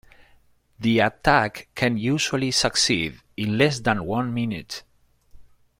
The attack can usually succeed in less than one minute.